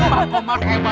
pak komar emang